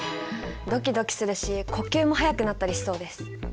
ドキドキするし呼吸も速くなったりしそうです。